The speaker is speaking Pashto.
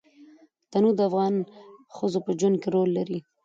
تنوع د افغان ښځو په ژوند کې رول لري.